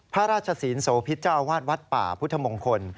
พระราชศีลโสพิษเจ้าอาวาสวัดป่าพุทธมงคล